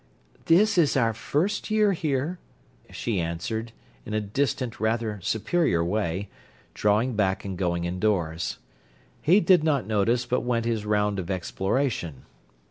"This is our first year here," she answered, in a distant, rather superior way, drawing back and going indoors. He did not notice, but went his round of exploration.